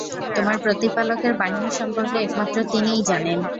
তোমার প্রতিপালকের বাহিনী সম্পর্কে একমাত্র তিনিই জানেন।